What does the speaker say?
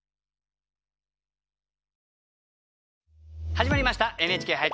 始まりました「ＮＨＫ俳句」。